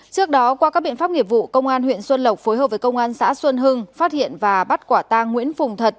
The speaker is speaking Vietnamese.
trước đó qua các biện pháp nghiệp vụ công an huyện xuân lộc phối hợp với công an xã xuân hưng phát hiện và bắt quả tang nguyễn phùng thật